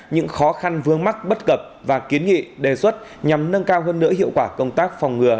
những khó khăn vương mắc bất cập và kiến nghị đề xuất nhằm nâng cao hơn nữa hiệu quả công tác phòng ngừa